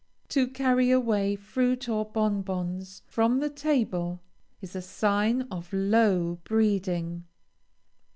To carry away fruit or bonbons from the table is a sign of low breeding.